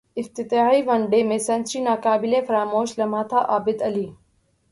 افتتاحی one day میں century ناقابل فراموش لمحہ تھاعابدعلی